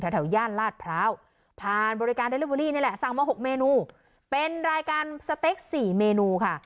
แถวย่านลาดพร้าวผ่านบริการเดลิเวอรี่นี่แหละสั่งมา๖เมนูเป็นรายการสเต็ก๔เมนูค่ะ